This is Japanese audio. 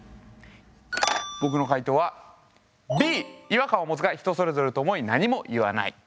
僕の回答はＢ違和感を持つが人それぞれと思い何も言わない。